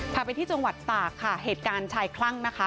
พาไปที่จังหวัดตากค่ะเหตุการณ์ชายคลั่งนะคะ